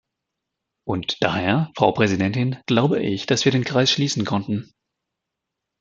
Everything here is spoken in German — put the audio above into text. Und daher, Frau Präsidentin, glaube ich, dass wir den Kreis schließen konnten.